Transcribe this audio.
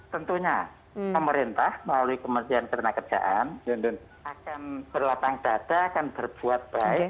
tentunya pemerintah melalui kementerian ketenagakerjaan akan berlapang dada akan berbuat baik